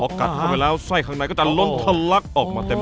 กัดเข้าไปแล้วไส้ข้างในก็จะล้นทะลักออกมาเต็ม